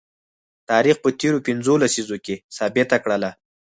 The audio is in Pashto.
تاریخ په تیرو پنځو لسیزو کې ثابته کړله